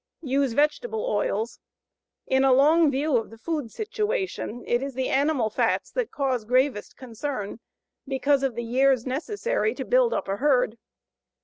USE VEGETABLE OILS. In a long view of the food situation, it is the animal fats that cause gravest concern, because of the years necessary to build up a herd.